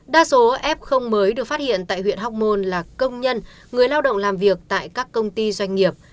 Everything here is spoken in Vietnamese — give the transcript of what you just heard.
đa số f mới được phát hiện tại huyện hóc môn là công nhân người lao động làm việc tại các công ty doanh nghiệp